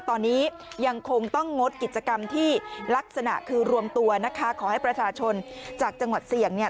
ตอนนี้ยังคงต้องงดกิจกรรมที่ลักษณะคือรวมตัวนะคะขอให้ประชาชนจากจังหวัดเสี่ยงเนี่ย